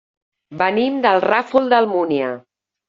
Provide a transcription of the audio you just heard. Venim del Ràfol d'Almúnia.